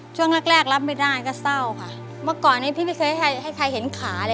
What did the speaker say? ช่วงแรกพี่เศร้าไหมคะ